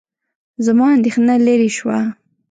زما اندېښنه لیرې شوه.